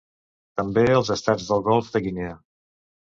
També als estats del Golf de Guinea.